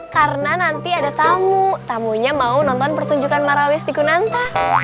karena nanti ada tamu tamunya mau nonton pertunjukan marawis di kunantah